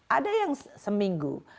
ada yang seminggu